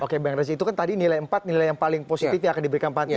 oke bang razi itu kan tadi nilai empat nilai yang paling positif yang akan diberikan panti